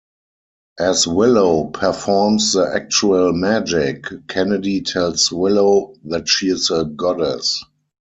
As Willow performs the actual magic, Kennedy tells Willow that she is a goddess.